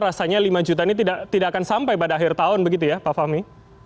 rasanya lima juta ini tidak akan sampai pada akhir tahun begitu ya pak fahmi